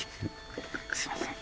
すみません。